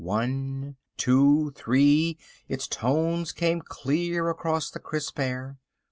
One, two, three, its tones came clear across the crisp air.